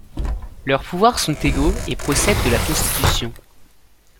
Leurs pouvoirs sont égaux et procèdent de la Constitution.